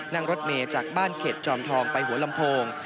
นั่งรถเมย์จากบ้านเขตจอมทองไปหัวลำโพง